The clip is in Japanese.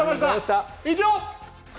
以上！